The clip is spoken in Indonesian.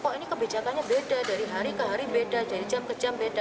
kok ini kebijakannya beda dari hari ke hari beda dari jam ke jam beda